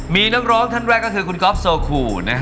มีน้องร้องท่านแรกก็คือคุณก๊อฟโซคู